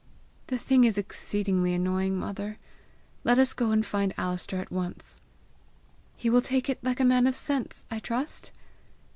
"The thing is exceedingly annoying, mother! Let us go and find Alister at once!" "He will take it like a man of sense, I trust!"